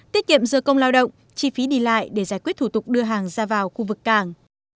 tiết kiệm giờ công lao động chi phí đi lại để giải quyết thủ tục đưa hàng ra vào khu vực cảng